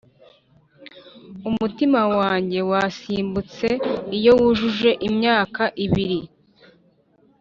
umutima wanjye wasimbutse iyo wujuje imyaka ibiri.